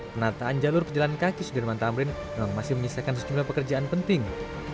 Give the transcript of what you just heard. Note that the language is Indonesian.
penataan jalur pejalan kaki sudirman tamrin memang masih menyisakan sejumlah pekerjaan penting